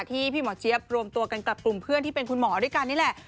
ที่พี่หมอเจี๊ยบรวมตัวกันกับกลุ่มเพื่อนที่เป็นคุณหมอด้วยกันนี่แหละ